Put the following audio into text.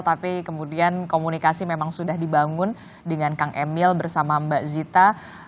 tapi kemudian komunikasi memang sudah dibangun dengan kang emil bersama mbak zita